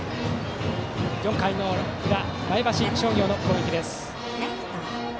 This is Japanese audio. ４回の裏、前橋商業の攻撃。